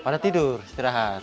pada tidur setirahat